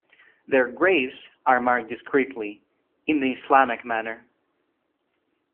Their graves are marked discreetly, in the Islamic manner.